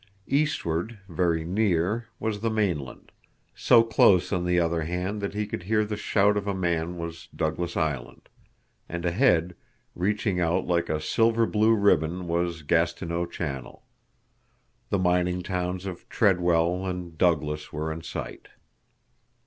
Eastward, very near, was the mainland; so close on the other hand that he could hear the shout of a man was Douglas Island, and ahead, reaching out like a silver blue ribbon was Gastineau Channel. The mining towns of Treadwell and Douglas were in sight.